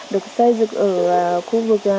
được xây dựng ở khu vực